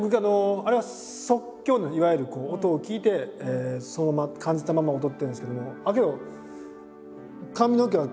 あれは即興いわゆる音を聴いてそのまま感じたまま踊ってるんですけども。